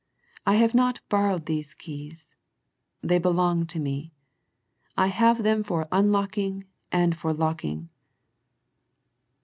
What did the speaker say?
I have not borrowed these keys. They belong to Me. I have them for unlocking and for locking.